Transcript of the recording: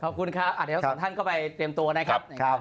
ขอบคุณครับเดี๋ยวทั้งสองท่านก็ไปเตรียมตัวนะครับ